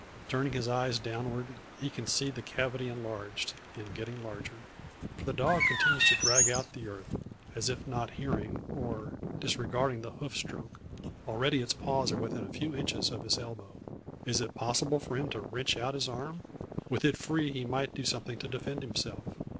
Turning his eyes downward, he can see the cavity enlarged, and getting larger. For the dog continues to drag out the earth, as if not hearing, or disregarding the hoof stroke. Already its paws are within a few inches of his elbow. Is it possible for him to wrench out his arm! With it free he might do something to defend himself.